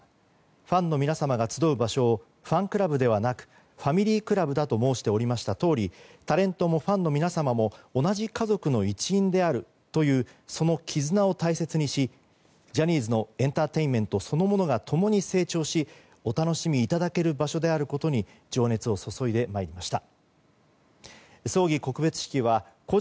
ファンの皆様が集う場所をファンクラブではなくファミリークラブだと申しておりました通りタレントもファンの皆様も同じ家族の一員であるというその絆を大切にしジャニーズのエンターテインメントそのものが共に成長し解散して、それぞれの道を歩むことが決まりました。